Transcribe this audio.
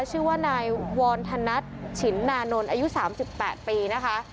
ชื่อว่านายวรธนัทฉินนานนท์อายุ๓๘ปีนะคะ